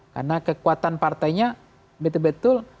karena kekuatan partainya betul betul